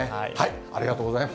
ありがとうございます。